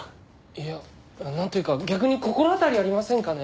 いやなんというか逆に心当たりありませんかね？